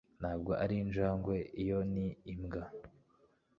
ntabwo ari injangwe. iyo ni imbwa